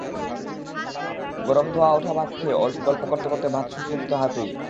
গরম ধোঁয়া ওঠা ভাত খেয়ে গল্প করতে করতে ভাত শুকিয়ে যেত হাতেই।